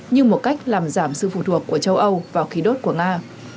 như một cách làm giảm sự phụ thuộc của châu âu vào khí đốt của nga